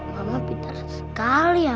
mama pintar sekali ya